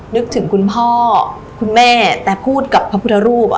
นึกถึงคุณพ่อคุณแม่แต่พูดกับพระพุทธรูป